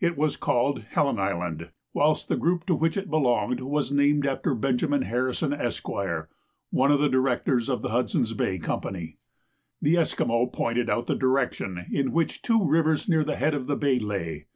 It was called Helen Island, whilst the group to which it belonged was named after Benjamin Harrison, Esq. one of the Directors of the Hudson's Bay Company. The Esquimaux pointed out the direction in which two rivers near the head of the bay lay.